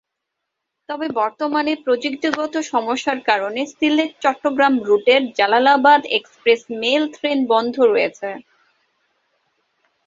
তবে বর্তমানে প্রযুক্তিগত সমস্যার কারণে সিলেট-চট্টগ্রাম রুটের জালালাবাদ এক্সপ্রেস মেল ট্রেন বন্ধ রয়েছে।